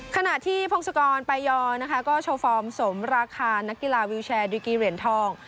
ขณะที่พงศกรปายอนะคะก็โชว์ฟอร์มสมราคานักกีฬาวิวแชร์ดุกีเหรียญทอง